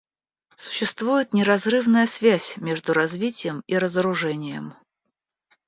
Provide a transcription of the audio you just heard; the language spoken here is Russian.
Существует неразрывная связь между развитием и разоружением.